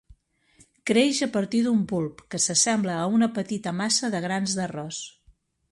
Creix a partir d'un bulb, que s'assembla a una petita massa de grans d'arròs.